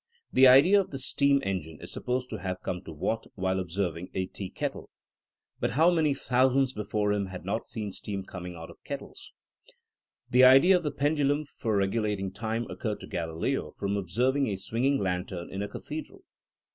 The idea of the steam engine is supposed to have come to Watt while observing a tea kettle. But how many thou sands before him had not seen steam coming out of kettles? The idea of the pendulum for regulating time occurred to Q alileo from observ ing a swinging lantern in a cathedral.